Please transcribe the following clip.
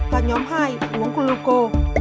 và nhóm hai uống glucose